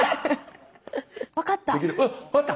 分かった。